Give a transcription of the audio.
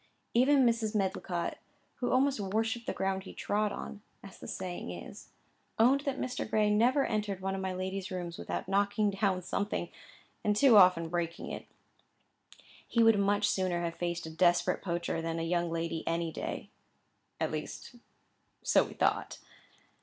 Even Mrs. Medlicott, who almost worshipped the ground he trod on, as the saying is, owned that Mr. Gray never entered one of my lady's rooms without knocking down something, and too often breaking it. He would much sooner have faced a desperate poacher than a young lady any day. At least so we thought.